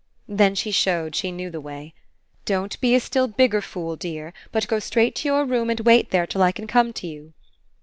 Then she showed she knew the way. "Don't be a still bigger fool, dear, but go straight to your room and wait there till I can come to you."